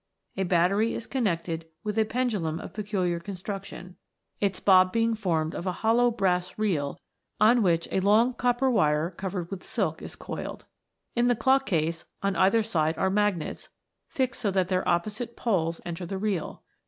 A battery is connected with a pendulum of peculiar construction, its bob being 26 THE AMBEB SPIRIT. formed of a hollow brass reel on which a long copper wire covered with silk is coiled. In the clock case, on either side are magnets, fixed so that their opposite poles enter the reel.